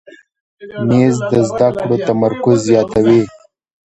مېز د زده کړو تمرکز زیاتوي.